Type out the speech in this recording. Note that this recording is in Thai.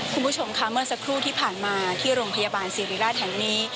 คุณผู้ชมค่ะเมื่อสักครู่ที่ผ่านมาที่โรงพยาบาลศิริราชแห่งนี้